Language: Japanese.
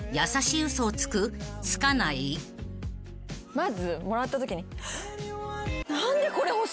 まずもらったときに。